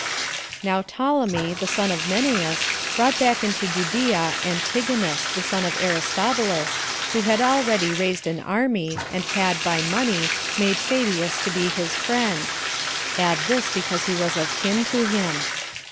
1. Now 22 Ptolemy, the son of Menneus, brought back into Judea Antigonus, the son of Aristobulus, who had already raised an army, and had, by money, made Fabius to be his friend, add this because he was of kin to him.